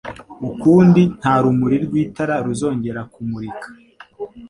ukundi nta rumuri rw itara ruzongera kumurika